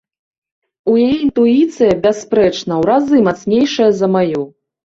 А яе інтуіцыя, бясспрэчна, у разы мацнейшая за маю.